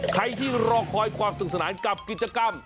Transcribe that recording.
ใครที่รอคอยความสุขสนานกับกิจกรรม